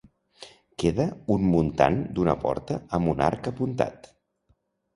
Queda un muntant d'una porta amb un arc apuntat.